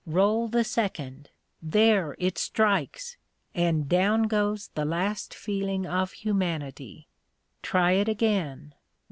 Roll the second there! it strikes! and down goes the last feeling of humanity. Try it again.